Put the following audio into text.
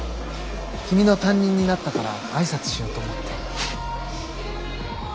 君の担任になったから挨拶しようと思って。